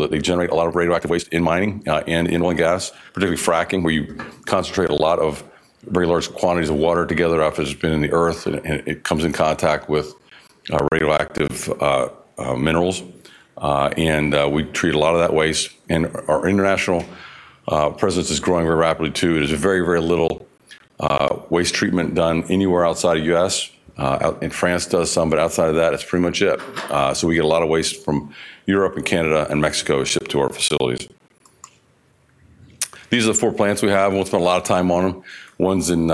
That they generate a lot of radioactive waste in mining, and in oil and gas, particularly fracking, where you concentrate a lot of very large quantities of water together after it's been in the earth, and it comes in contact with radioactive minerals. We treat a lot of that waste, and our international presence is growing very rapidly too. There's very, very little waste treatment done anywhere outside of U.S. France does some, but outside of that, it's pretty much it. We get a lot of waste from Europe and Canada and Mexico shipped to our facilities. These are the four plants we have, and we'll spend a lot of time on them. One's in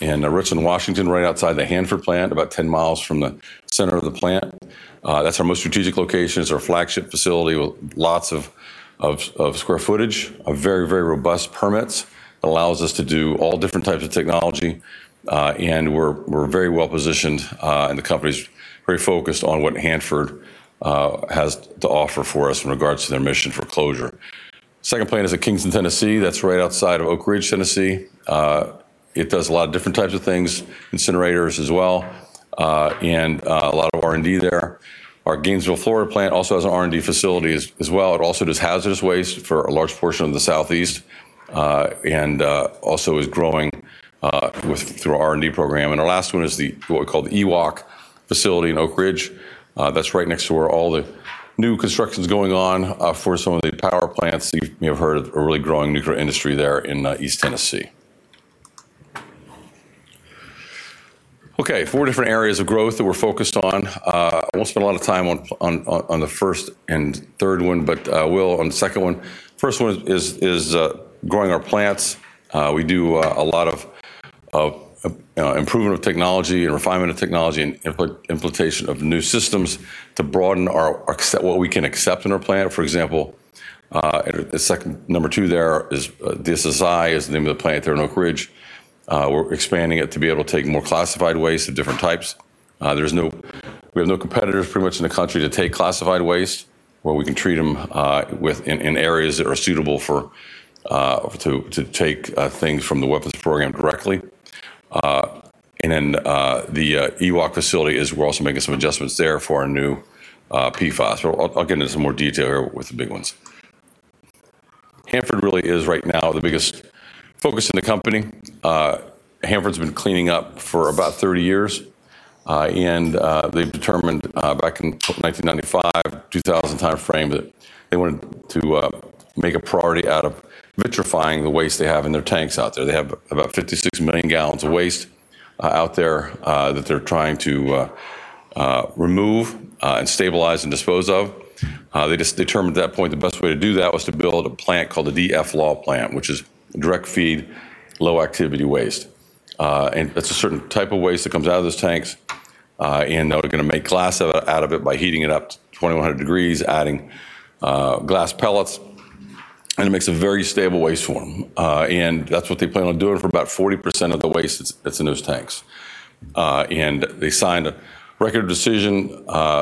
Richland, Washington, right outside the Hanford plant, about 10 miles from the center of the plant. That's our most strategic location. It's our flagship facility with lots of square footage, of very, very robust permits. It allows us to do all different types of technology. We're very well-positioned, and the company's very focused on what Hanford has to offer for us in regards to their mission for closure. Second plant is in Kingston, Tennessee. That's right outside of Oak Ridge, Tennessee. It does a lot of different types of things, incinerators as well, and a lot of R&D there. Our Gainesville, Florida plant also has an R&D facility as well. It also does hazardous waste for a large portion of the Southeast, and also is growing through our R&D program. Our last one is what we call the EWOC facility in Oak Ridge. That's right next to where all the new construction's going on for some of the power plants that you may have heard of, a really growing nuclear industry there in East Tennessee. Okay, four different areas of growth that we're focused on. I won't spend a lot of time on the first and third one, but I will on the second one. First one is growing our plants. We do a lot of improvement of technology and refinement of technology and implementation of new systems to broaden what we can accept in our plant. For example, number two there is, DSSI is the name of the plant there in Oak Ridge. We're expanding it to be able to take more classified waste of different types. We have no competitors pretty much in the country that take classified waste, where we can treat them in areas that are suitable to take things from the weapons program directly. The EWOC facility is, we're also making some adjustments there for our new PFAS. I'll get into some more detail here with the big ones. Hanford really is right now the biggest focus in the company. Hanford's been cleaning up for about 30 years. They've determined back in the 1995, 2000 timeframe, that they wanted to make a priority out of vitrifying the waste they have in their tanks out there. They have about 56 million gallons of waste out there that they're trying to remove and stabilize and dispose of. They just determined at that point the best way to do that was to build a plant called the DFLAW plant, which is Direct-Feed Low-Activity Waste. It's a certain type of waste that comes out of those tanks, and they're going to make glass out of it by heating it up to 2,100 degrees, adding glass pellets, and it makes a very stable waste form. That's what they plan on doing for about 40% of the waste that's in those tanks. They signed a Record of Decision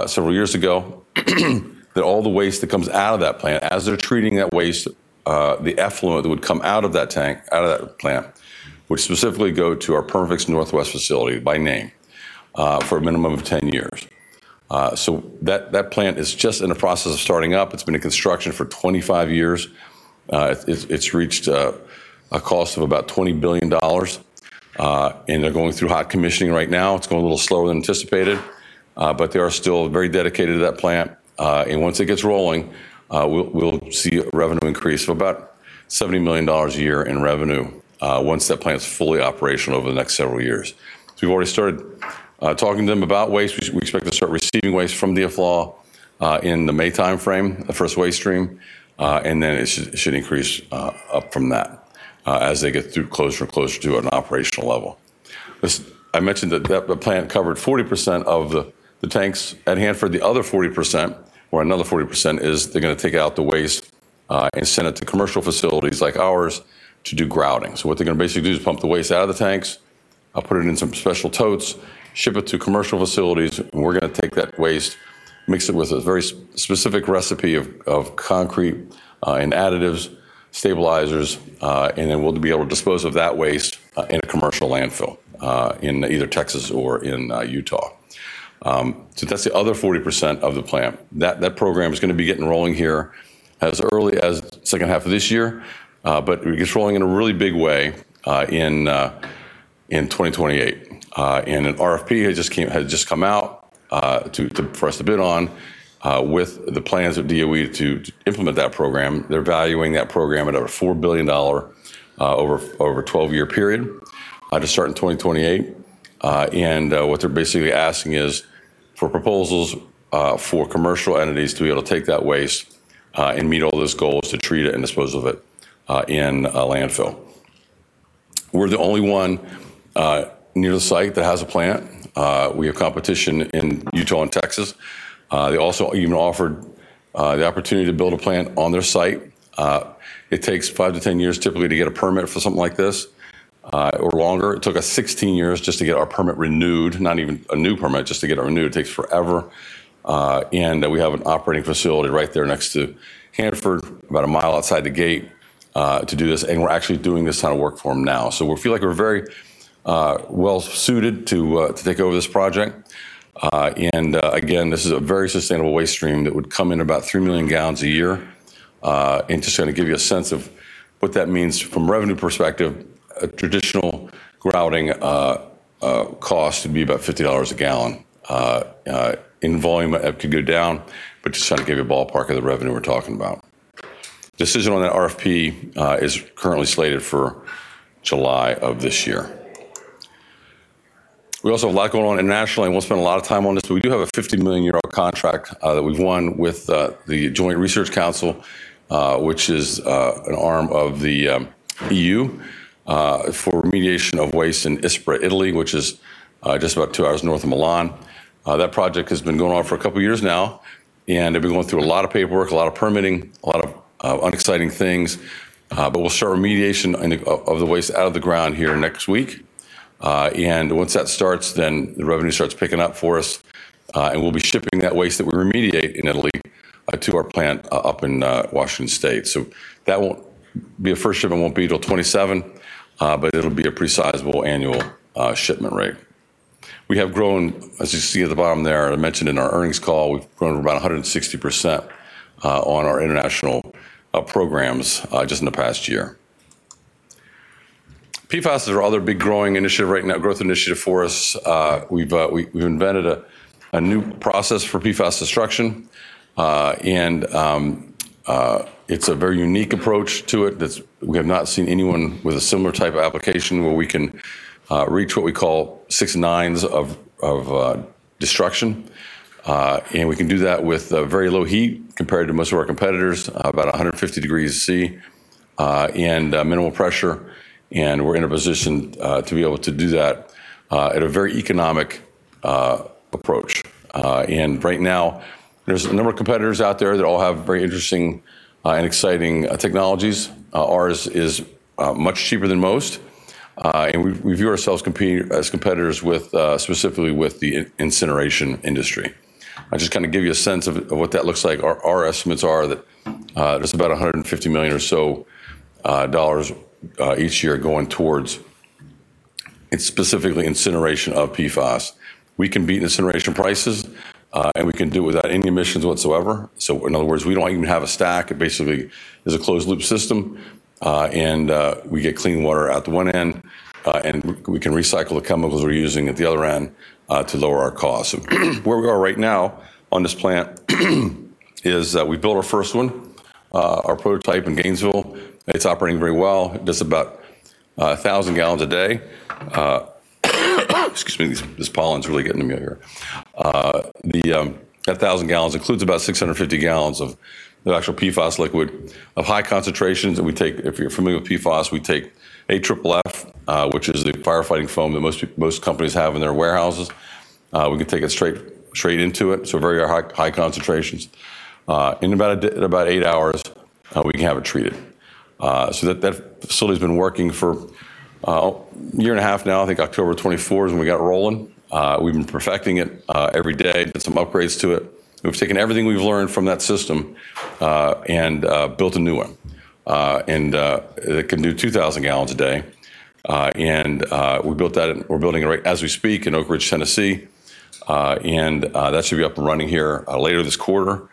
several years ago that all the waste that comes out of that plant, as they're treating that waste, the effluent that would come out of that tank, out of that plant, would specifically go to our Perma-Fix Northwest facility by name, for a minimum of 10 years. That plant is just in the process of starting up. It's been in construction for 25 years. It's reached a cost of about $20 billion. They're going through hot commissioning right now. It's going a little slower than anticipated, but they are still very dedicated to that plant. Once it gets rolling, we'll see a revenue increase of about $70 million a year in revenue once that plant's fully operational over the next several years. We've already started talking to them about waste. We expect to start receiving waste from DFLAW in the May timeframe, the first waste stream, and then it should increase up from that, as they get through closer and closer to an operational level. I mentioned that plant covered 40% of the tanks at Hanford. The other 40%, or another 40%, is, they're going to take out the waste, and send it to commercial facilities like ours to do grouting. What they're going to basically do is pump the waste out of the tanks, put it in some special totes, ship it to commercial facilities, and we're going to take that waste, mix it with a very specific recipe of concrete and additives, stabilizers, and then we'll be able to dispose of that waste in a commercial landfill, in either Texas or in Utah. That's the other 40% of the plant. That program is going to be getting rolling here as early as the second half of this year. It gets rolling in a really big way, in 2028. An RFP has just come out for us to bid on with the plans of DOE to implement that program. They're valuing that program at over $4 billion over a 12-year period, to start in 2028. What they're basically asking is for proposals for commercial entities to be able to take that waste, and meet all those goals to treat it and dispose of it in a landfill. We're the only one near the site that has a plant. We have competition in Utah and Texas. They also even offered the opportunity to build a plant on their site. It takes 5 years-10 years typically to get a permit for something like this, or longer. It took us 16 years just to get our permit renewed, not even a new permit, just to get it renewed. It takes forever. We have an operating facility right there next to Hanford, about a mile outside the gate to do this, and we're actually doing this on a work form now. We feel like we're very well-suited to take over this project. Again, this is a very sustainable waste stream that would come in about 3 million gallons a year. Just to give you a sense of what that means from a revenue perspective, a traditional grouting cost would be about $50 a gallon. In volume, it could go down, but just trying to give you a ballpark of the revenue we're talking about. Decision on that RFP is currently slated for July of this year. We also have a lot going on internationally, and we'll spend a lot of time on this, but we do have a $50 million contract that we've won with the Joint Research Centre, which is an arm of the EU, for remediation of waste in Ispra, Italy, which is just about 2 hours north of Milan. That project has been going on for a couple of years now, and they've been going through a lot of paperwork, a lot of permitting, a lot of unexciting things. We'll start remediation of the waste out of the ground here next week. Once that starts, then the revenue starts picking up for us. We'll be shipping that waste that we remediate in Italy to our plant up in Washington State. The first shipment won't be until 2027, but it'll be a pretty sizable annual shipment rate. We have grown, as you see at the bottom there. I mentioned in our earnings call, we've grown about 160% on our international programs just in the past year. PFAS is our other big growing initiative right now, growth initiative for us. We've invented a new process for PFAS destruction. It's a very unique approach to it that we have not seen anyone with a similar type of application where we can reach what we call six nines of destruction. We can do that with very low heat compared to most of our competitors, about 150 degrees Celsius, and minimal pressure, and we're in a position to be able to do that at a very economic approach. Right now there's a number of competitors out there that all have very interesting and exciting technologies. Ours is much cheaper than most. We view ourselves as competitors specifically with the incineration industry. I'll just give you a sense of what that looks like. Our estimates are that there's about $150 million or so each year going towards specifically incineration of PFAS. We can beat incineration prices, and we can do it without any emissions whatsoever. In other words, we don't even have a stack. It basically is a closed-loop system, and we get clean water out the one end, and we can recycle the chemicals we're using at the other end to lower our cost. Where we are right now on this plant is we built our first one, our prototype in Gainesville. It's operating very well. It does about 1,000 gallons a day. Excuse me. This pollen's really getting to me out here. That 1,000 gallons includes about 650 gallons of the actual PFAS liquid of high concentrations that we take. If you're familiar with PFAS, we take AFFF, which is the firefighting foam that most companies have in their warehouses. We can take it straight into it, so very high concentrations. In about eight hours, we can have it treated. That facility's been working for a year and a half now. I think October 24 is when we got rolling. We've been perfecting it every day, did some upgrades to it. We've taken everything we've learned from that system and built a new one. It can do 2,000 gallons a day. We're building it right as we speak in Oak Ridge, Tennessee. That should be up and running here later this quarter,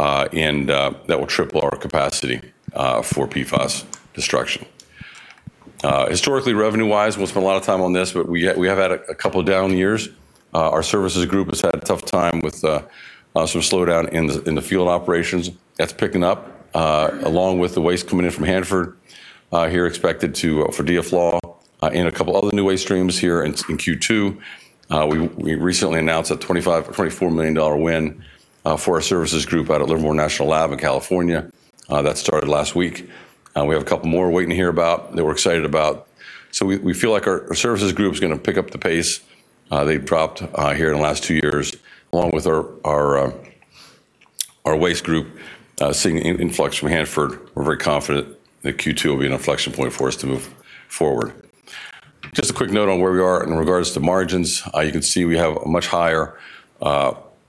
and that will triple our capacity for PFAS destruction. Historically, revenue-wise, we'll spend a lot of time on this, but we have had a couple of down years. Our services group has had a tough time with some slowdown in the field operations. That's picking up, along with the waste coming in from Hanford here expected to, for DFLAW and a couple other new waste streams here in Q2. We recently announced a $24 million win for our services group out at Lawrence Livermore National Laboratory in California. That started last week. We have a couple more waiting to hear about that we're excited about. We feel like our services group is going to pick up the pace. They've dropped here in the last two years, along with our waste group seeing an influx from Hanford. We're very confident that Q2 will be an inflection point for us to move forward. Just a quick note on where we are in regards to margins. You can see we have a much higher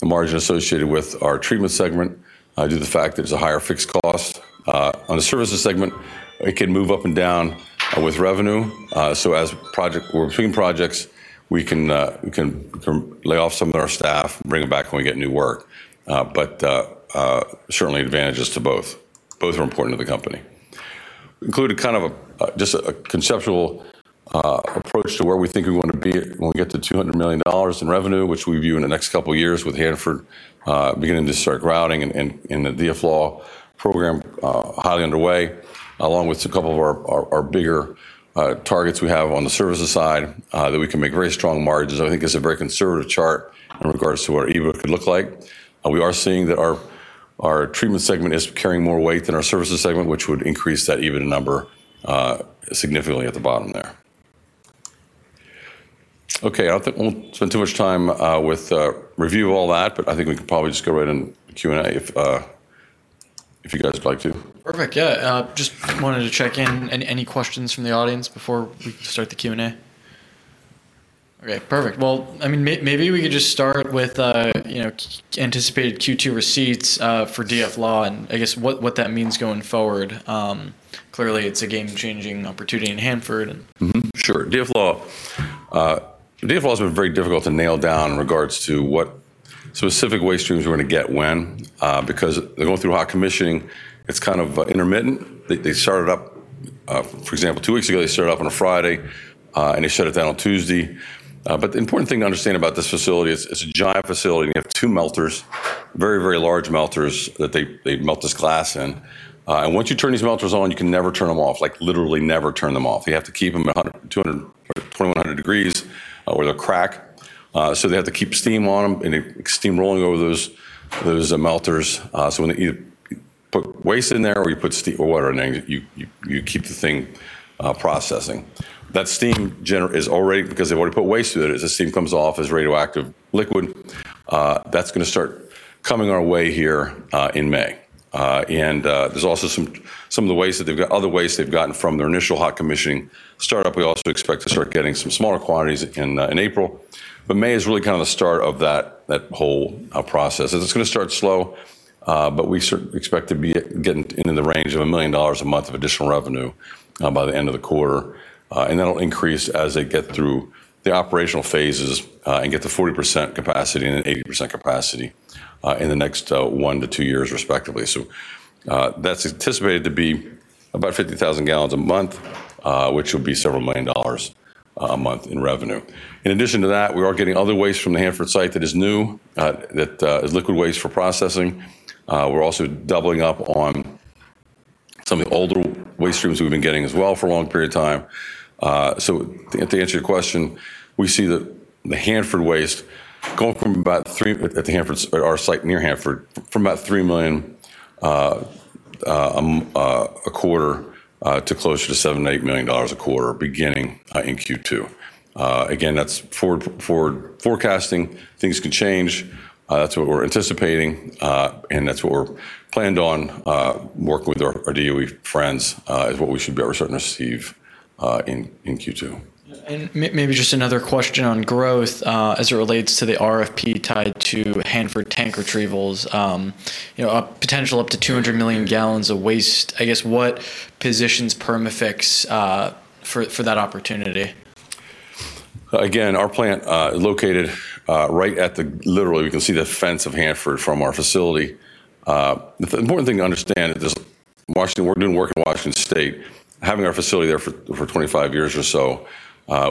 margin associated with our treatment segment due to the fact that it's a higher fixed cost. On the services segment, it can move up and down with revenue. As we're between projects, we can lay off some of our staff and bring them back when we get new work. Certainly advantages to both. Both are important to the company. Includes a kind of just a conceptual approach to where we think we want to be when we get to $200 million in revenue, which we view in the next couple of years with Hanford beginning to start grouting and the DFLAW program highly underway, along with a couple of our bigger targets we have on the services side that we can make very strong margins. I think this is a very conservative chart in regards to what our EBIT could look like. We are seeing that our treatment segment is carrying more weight than our services segment, which would increase that EBITDA number significantly at the bottom there. Okay. I don't think we'll spend too much time with a review of all that, but I think we could probably just go right into Q&A if you guys would like to. Perfect. Yeah. Just wanted to check in. Any questions from the audience before we start the Q&A? Okay, perfect. Well, maybe we could just start with anticipated Q2 receipts for DFLAW, and I guess what that means going forward. Clearly it's a game-changing opportunity in Hanford. Sure. DFLAW has been very difficult to nail down in regards to what specific waste streams we're going to get when, because they're going through hot commissioning, it's kind of intermittent. For example, two weeks ago, they started up on a Friday, and they shut it down on Tuesday. The important thing to understand about this facility is it's a giant facility, and you have two melters, very, very large melters that they melt this glass in. Once you turn these melters on, you can never turn them off. Like literally, never turn them off. You have to keep them at 2,100 degrees, or they'll crack. They have to keep steam on them, steam rolling over those melters. When you put waste in there, or you put water in there, you keep the thing processing. That steam is already because they've already put waste through that as the steam comes off as radioactive liquid, that's going to start coming our way here in May. There's also some of the other wastes they've gotten from their initial hot commissioning startup. We also expect to start getting some smaller quantities in April. May is really kind of the start of that whole process. It's going to start slow, but we expect to be getting into the range of $1 million a month of additional revenue by the end of the quarter. That'll increase as they get through the operational phases, and get to 40% capacity and then 80% capacity in the next 1 year-2 years respectively. That's anticipated to be about 50,000 gallons a month, which will be several $1 million a month in revenue. In addition to that, we are getting other waste from the Hanford Site that is new, that is liquid waste for processing. We're also doubling up on some of the older waste streams we've been getting as well for a long period of time. To answer your question, we see the Hanford waste going from about $3 million a quarter at our site near Hanford to closer to $7 million-$8 million a quarter beginning in Q2. Again, that's forward forecasting. Things can change. That's what we're anticipating, and that's what we're planning on working with our DOE friends is what we should be certain to receive in Q2. Maybe just another question on growth, as it relates to the RFP tied to Hanford tank retrievals, a potential of up to 200 million gallons of waste. I guess, what positions Perma-Fix for that opportunity? Again, our plant. Literally, we can see the fence of Hanford from our facility. The important thing to understand is doing work in Washington State, having our facility there for 25 years or so,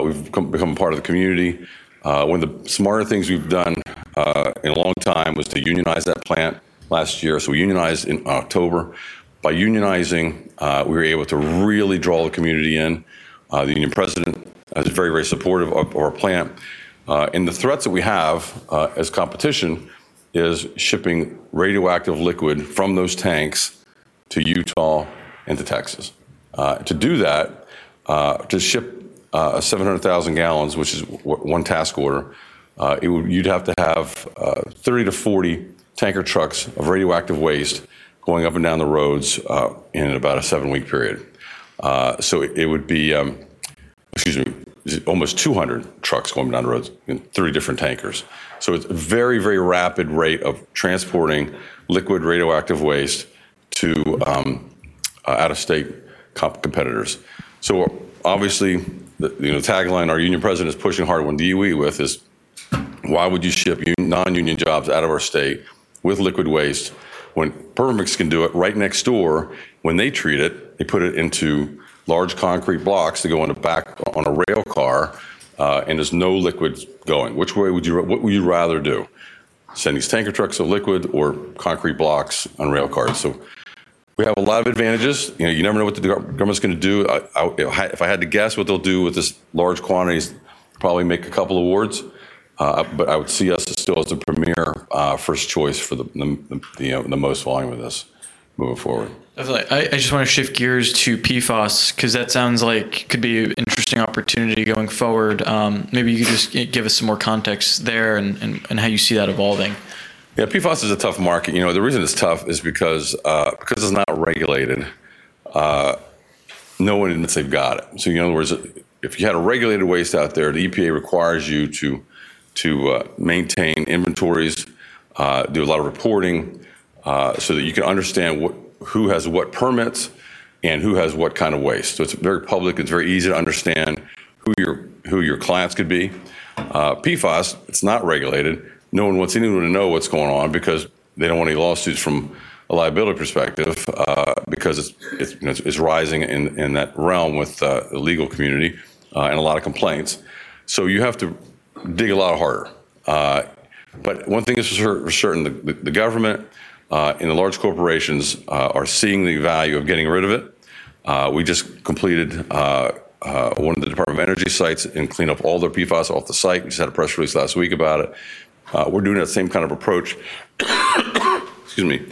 we've become part of the community. One of the smarter things we've done in a long time was to unionize that plant last year. We unionized in October. By unionizing, we were able to really draw the community in. The union president is very, very supportive of our plant. The threats that we have as competition is shipping radioactive liquid from those tanks to Utah and to Texas. To do that, to ship 700,000 gallons, which is one task order, you'd have to have 30-40 tanker trucks of radioactive waste going up and down the roads in about a seven-week period. It would be, excuse me, almost 200 trucks going down the roads in 30 different tankers. It's a very, very rapid rate of transporting liquid radioactive waste to out-of-state competitors. Obviously, the tagline our union president is pushing hard on DOE with is, why would you ship non-union jobs out of our state with liquid waste when Perma-Fix can do it right next door? When they treat it, they put it into large concrete blocks that go on a rail car, and there's no liquids going. What would you rather do? Send these tanker trucks of liquid or concrete blocks on rail cars? We have a lot of advantages. You never know what the government's going to do. If I had to guess what they'll do with these large quantities, probably make a couple awards, but I would see us still as the premier first choice for the most volume of this moving forward. I just want to shift gears to PFAS, because that sounds like it could be an interesting opportunity going forward. Maybe you could just give us some more context there and how you see that evolving. Yeah, PFAS is a tough market. The reason it's tough is because it's not regulated. No one admits they've got it. In other words, if you had a regulated waste out there, the EPA requires you to maintain inventories, do a lot of reporting, so that you can understand who has what permits and who has what kind of waste. It's very public. It's very easy to understand who your clients could be. PFAS, it's not regulated. No one wants anyone to know what's going on because they don't want any lawsuits from a liability perspective, because it's rising in that realm with the legal community and a lot of complaints. You have to dig a lot harder. One thing is for certain, the government and the large corporations are seeing the value of getting rid of it. We just completed one of the Department of Energy sites and cleaned up all their PFAS off the site. We just had a press release last week about it. We're doing that same kind of approach, excuse me,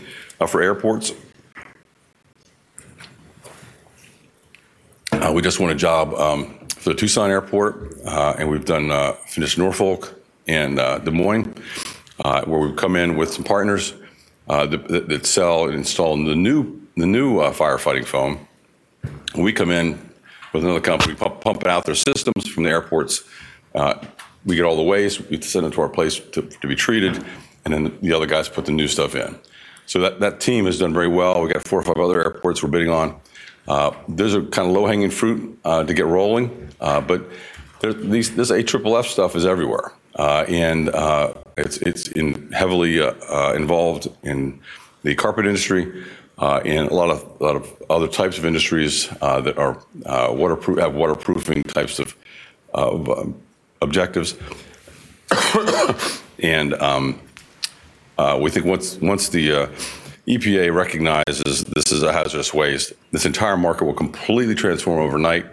for airports. We just won a job for the Tucson Airport. We've finished Norfolk and Des Moines, where we've come in with some partners that sell and install the new firefighting foam. We come in with another company, pump out their systems from the airports. We get all the waste, we send it to our place to be treated, and then the other guys put the new stuff in. That team has done very well. We got four or five other airports we're bidding on. Those are kind of low-hanging fruit to get rolling. This AFFF stuff is everywhere. It's heavily involved in the carpet industry and a lot of other types of industries that have waterproofing types of objectives. We think once the EPA recognizes this as a hazardous waste, this entire market will completely transform overnight.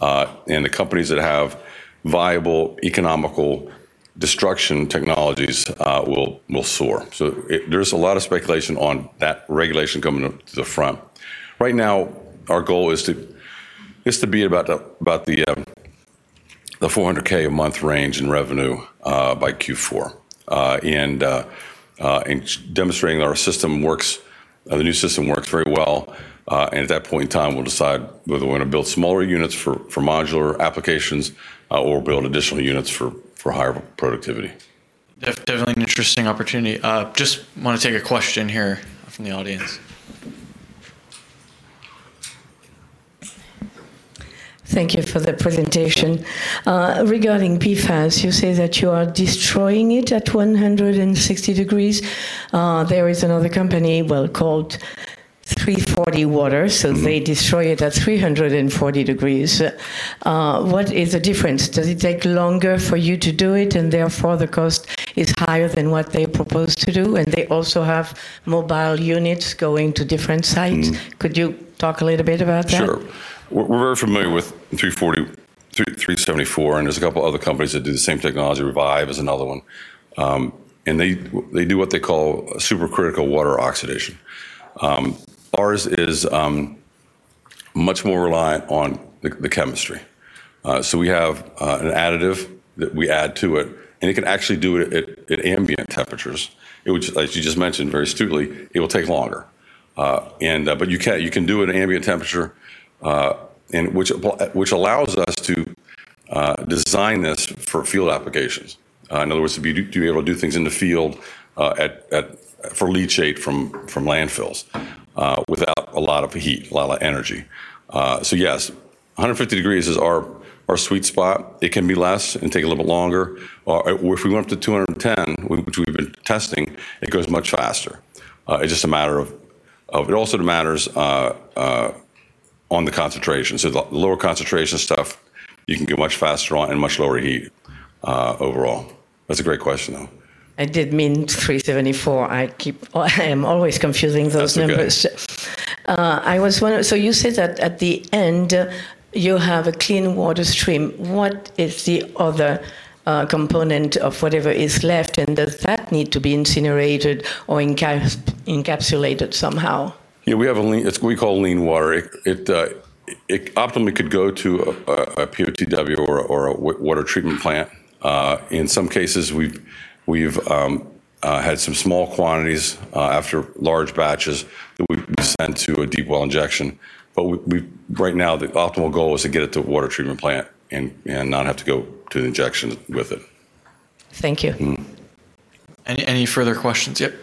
The companies that have viable economical destruction technologies will soar. There's a lot of speculation on that regulation coming to the front. Right now our goal is to be about the $400,000 a month range in revenue by Q4, and demonstrating the new system works very well. At that point in time, we'll decide whether we're going to build smaller units for modular applications or build additional units for higher productivity. Definitely an interesting opportunity. Just want to take a question here from the audience. Thank you for the presentation. Regarding PFAS, you say that you are destroying it at 160 degrees. There is another company, well, called 340Water they destroy it at 340 degrees. What is the difference? Does it take longer for you to do it, and therefore the cost is higher than what they propose to do? They also have mobile units going to different sites. Could you talk a little bit about that? Sure. We're very familiar with 374, and there's a couple other companies that do the same technology. Reviv is another one. They do what they call supercritical water oxidation. Ours is much more reliant on the chemistry. We have an additive that we add to it, and it can actually do it at ambient temperatures. As you just mentioned, very astutely, it will take longer. You can do it at ambient temperature, which allows us to design this for field applications. In other words, to be able to do things in the field for leachate from landfills without a lot of heat, a lot of energy. Yes, 150 degrees is our sweet spot. It can be less and take a little bit longer. If we went up to 210 degrees, which we've been testing, it goes much faster. It also matters on the concentration. The lower concentration stuff you can go much faster on and much lower heat overall. That's a great question, though. I did mean 374Water. I am always confusing those numbers. That's okay. You said that at the end you have a clean water stream. What is the other component of whatever is left, and does that need to be incinerated or encapsulated somehow? Yeah. We have what we call clean water. It optimally could go to a POTW or a water treatment plant. In some cases, we've had some small quantities after large batches that we've sent to a deep well injection. Right now the optimal goal is to get it to a water treatment plant and not have to go to the injection with it. Thank you. Mm-hmm. Any further questions? Yep.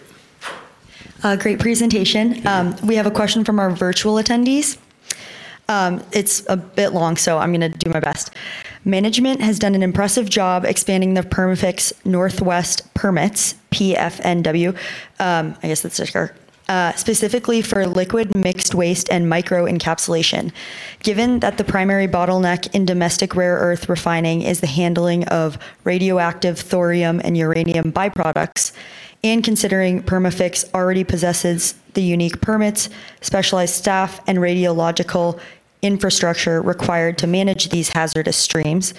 Great presentation. Thank you. We have a question from our virtual attendees. It's a bit long, so I'm going to do my best. Management has done an impressive job expanding the Perma-Fix Northwest permits, PFNW, I guess that's it here, specifically for liquid mixed waste and microencapsulation. Given that the primary bottleneck in domestic rare earth refining is the handling of radioactive thorium and uranium byproducts, and considering Perma-Fix already possesses the unique permits, specialized staff, and radiological infrastructure required to manage these hazardous streams,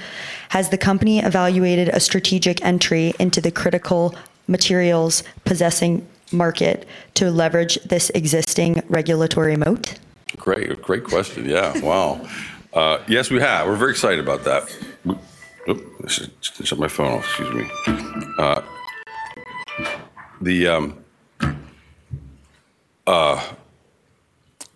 has the company evaluated a strategic entry into the critical materials processing market to leverage this existing regulatory moat? Great question. Yeah. Wow. Yes, we have. We're very excited about that. I should shut my phone off. Excuse me. The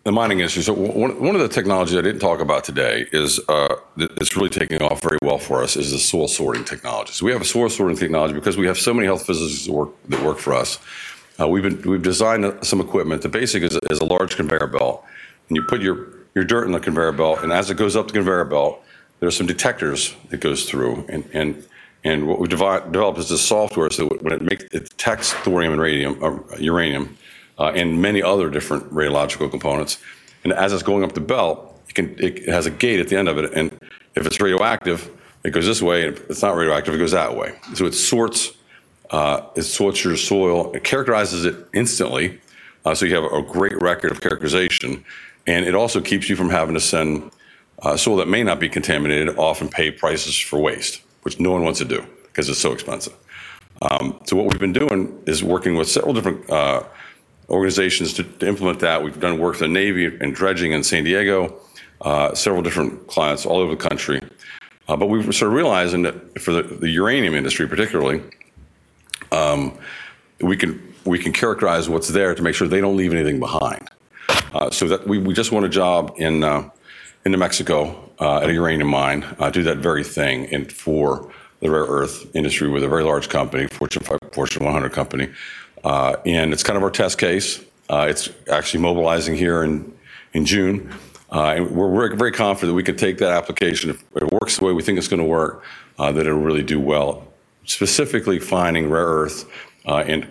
mining industry. One of the technology I didn't talk about today that it's really taking off very well for us is the soil sorting technology. We have a soil sorting technology because we have so many health physicists that work for us. We've designed some equipment. The basic is a large conveyor belt, and you put your dirt in the conveyor belt, and as it goes up the conveyor belt, there's some detectors it goes through, and what we've developed is this software, so it detects thorium and radium or uranium, and many other different radiological components. As it's going up the belt, it has a gate at the end of it, and if it's radioactive, it goes this way, and if it's not radioactive, it goes that way. It sorts your soil. It characterizes it instantly, so you have a great record of characterization, and it also keeps you from having to send soil that may not be contaminated off and pay prices for waste, which no one wants to do because it's so expensive. What we've been doing is working with several different organizations to implement that. We've done work with the Navy in dredging in San Diego, several different clients all over the country. We're sort of realizing that for the uranium industry particularly. We can characterize what's there to make sure they don't leave anything behind. We just won a job in New Mexico at a uranium mine, do that very thing, and for the rare earth industry with a very large company, Fortune 100 company. It's kind of our test case. It's actually mobilizing here in June. We're very confident we could take that application, if it works the way we think it's going to work, that it'll really do well, specifically finding rare earth, and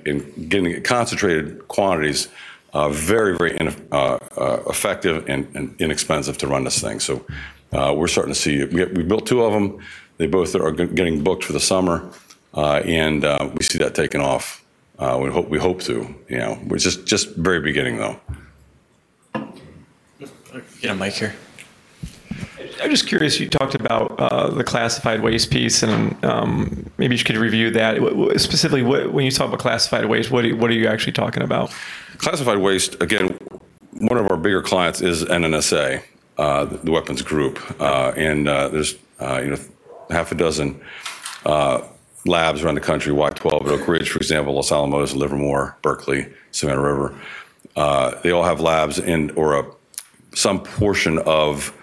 getting it concentrated quantities, very, very effective and inexpensive to run this thing. We're starting to see, we built two of them. They both are getting booked for the summer. We see that taking off. We hope to. Just very beginning, though. Get a mic here. I'm just curious, you talked about the classified waste piece, and maybe you could review that. Specifically, when you talk about classified waste, what are you actually talking about? Classified waste, again, one of our bigger clients is NNSA, the weapons group. There's half a dozen labs around the country, Y-12 in Oak Ridge, for example, Los Alamos, Livermore, Berkeley, Savannah River. They all have labs or some portion of the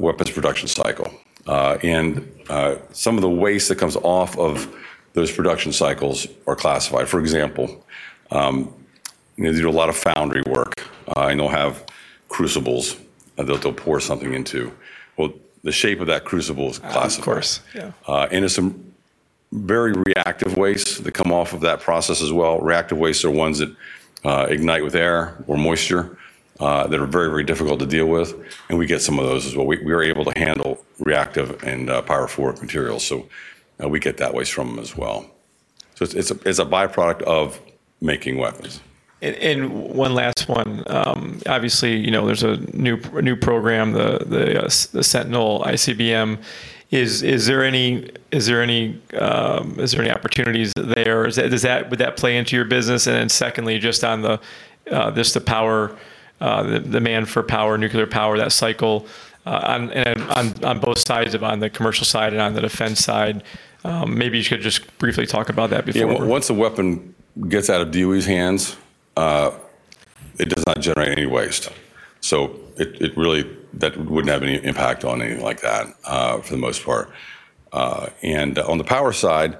weapons production cycle. Some of the waste that comes off of those production cycles are classified. For example, they do a lot of foundry work, and they'll have crucibles that they'll pour something into. Well, the shape of that crucible is classified. Of course, yeah. There's some very reactive wastes that come off of that process as well. Reactive wastes are ones that ignite with air or moisture, that are very, very difficult to deal with. We get some of those as well. We are able to handle reactive and pyrophoric materials, so we get that waste from them as well. It's a byproduct of making weapons. One last one. Obviously, there's a new program, the Sentinel ICBM. Is there any opportunities there? Would that play into your business? Secondly, just on the demand for power, nuclear power, that cycle on both sides, on the commercial side and on the defense side, maybe you could just briefly talk about that before. Yeah. Once the weapon gets out of DOE's hands, it does not generate any waste. Really that wouldn't have any impact on anything like that, for the most part. On the power side,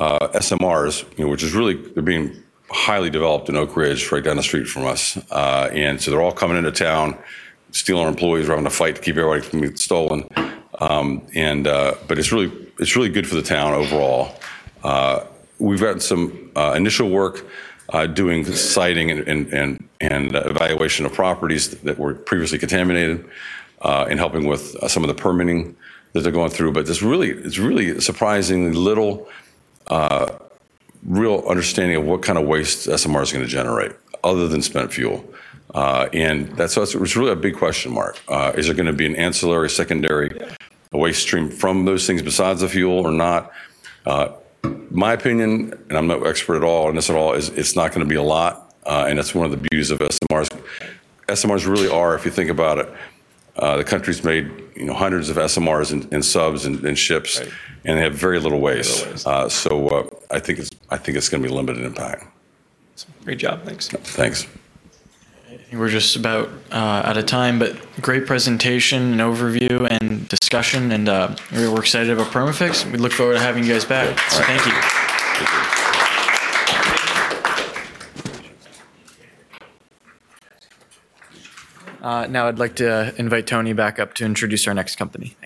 SMRs, which is really, they're being highly developed in Oak Ridge, right down the street from us. They're all coming into town, stealing our employees. We're having to fight to keep everybody from getting stolen. It's really good for the town overall. We've gotten some initial work doing the siting and evaluation of properties that were previously contaminated, and helping with some of the permitting that they're going through. There's really surprisingly little real understanding of what kind of waste SMR is going to generate, other than spent fuel. It's really a big question mark. Is it going to be an ancillary, secondary waste stream from those things besides the fuel or not? My opinion, and I'm no expert at all on this at all, is it's not going to be a lot. That's one of the beauties of SMRs. SMRs really are, if you think about it, the country's made hundreds of SMRs in subs and ships. Right. They have very little waste. Very little waste. I think it's going to be limited impact. Great job. Thanks. Thanks. We're just about out of time, but great presentation and overview and discussion, and we're excited about Perma-Fix. We look forward to having you guys back. Good. All right. Thank you. Now I'd like to invite Tony back up to introduce our next company.